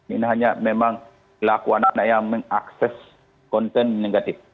ini hanya memang pelaku anak anak yang mengakses konten negatif